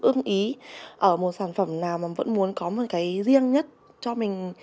ưng ý ở một sản phẩm nào mà vẫn muốn có một cái riêng nhất cho mình